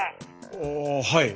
ああはい。